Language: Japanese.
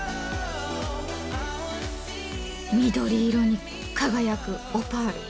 緑色に輝くオパール。